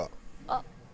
あっ。